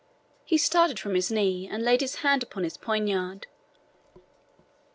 He started from his knee, and laid his hand upon his poniard.